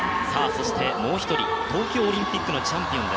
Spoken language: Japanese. もう一人東京オリンピックのチャンピオン。